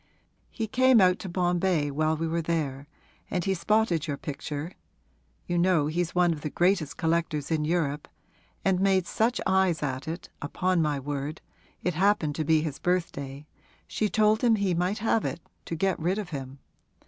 He came out to Bombay while we were there and he spotted your picture (you know he's one of the greatest collectors in Europe), and made such eyes at it that, upon my word it happened to be his birthday she told him he might have it, to get rid of him.